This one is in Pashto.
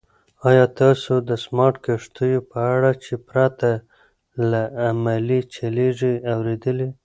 ایا تاسو د سمارټ کښتیو په اړه چې پرته له عملې چلیږي اورېدلي؟